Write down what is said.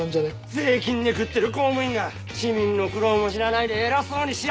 税金で食ってる公務員が市民の苦労も知らないで偉そうにしやがって！